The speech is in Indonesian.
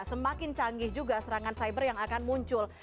semakin canggih juga serangan cyber yang akan muncul